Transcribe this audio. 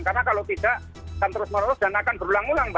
karena kalau tidak akan terus terus dan akan berulang ulang